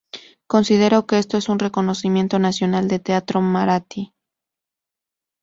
Considero que esto es un reconocimiento nacional del teatro marathi".